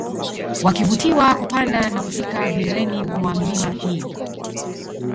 Wakivutiwa kupanda na kufika vileleni mwa milima hii